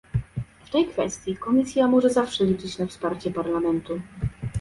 W tej kwestii Komisja może zawsze liczyć na wsparcie Parlamentu